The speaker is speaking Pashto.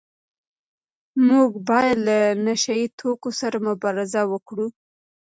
موږ باید له نشه يي توکو سره مبارزه وکړو.